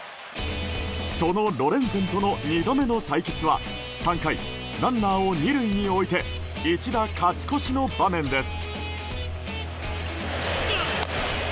そのロレンゼンとの２度目の対決は３回、ランナーを２塁に置いて一打勝ち越しの場面です。